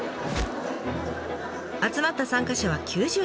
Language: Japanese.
集まった参加者は９０人！